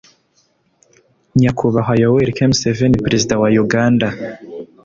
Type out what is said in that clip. Nyakubahwa yoweli k museveni perezida wa uganda